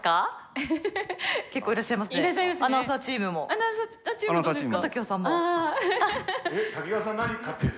アナウンサーチーム誰ですか？